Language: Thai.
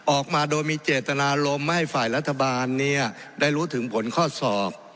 ออกมาโดยมีเจตนารมณ์ไม่ให้ฝ่ายรัฐบาลเนี่ยได้รู้ถึงผลข้อสอบ